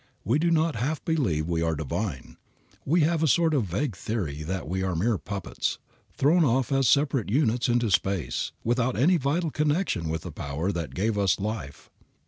We do not half believe we are divine. We have a sort of vague theory that we are mere puppets, thrown off as separate units into space, without any vital connection with the Power that gave us life.